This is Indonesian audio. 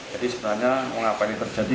jadi sebenarnya mengapa ini terjadi